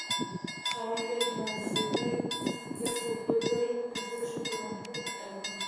خاونده بيادی مازد يګر کړ په ګودر جوړشو دمنګيو کتارونه